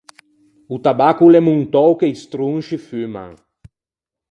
O tabacco o l’é montou che i stronsci fumman.